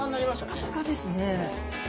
ピカピカですね。